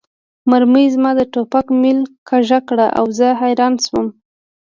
مرمۍ زما د ټوپک میل کږه کړه او زه حیران شوم